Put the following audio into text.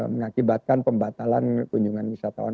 mengakibatkan pembatalan kunjungan wisatawan